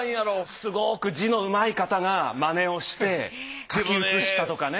すごく字のうまい方が真似をして書き写したとかね。